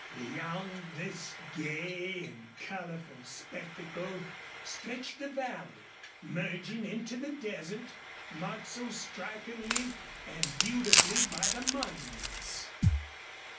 Beyond this gay and colorful spectacle stretched the valley, merging into the desert marked so strikingly and beautifully by the monuments.